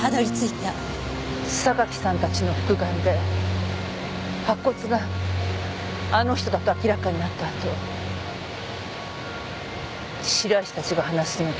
榊さんたちの復顔で白骨があの人だと明らかになったあと白石たちが話すのを聞きました。